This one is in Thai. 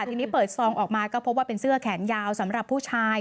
ทีนี้เปิดซองออกมาก็พบว่าเป็นเสื้อแขนยาวสำหรับผู้ชาย